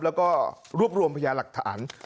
แล้วก็รวบรวมพยาหลักฐาน